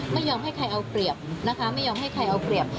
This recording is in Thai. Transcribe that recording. ไม่ยอมให้ใครเอาเปรียบนะคะไม่ยอมให้ใครเอาเปรียบ